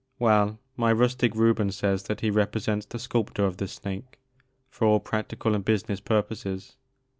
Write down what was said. Well, my rustic Reuben says that he represents the sculptor of this snake for all practical and business purposes.